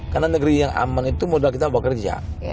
karena negeri yang aman itu modal kita buat kerja